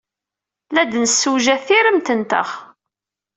La d-nessewjad tiremt-nteɣ.